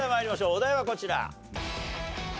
お題はこちら。